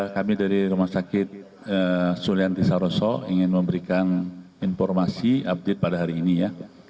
kami dari rumah sakit sulianti saroso ingin memberikan informasi update pada hari ini ya